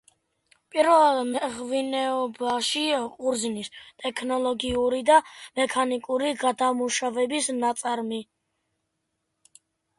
პირველად მეღვინეობაში ყურძნის ტექნოლოგიური და მექანიკური გადამუშავების ნაწარმი.